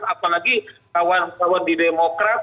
apalagi kawan kawan di demokrat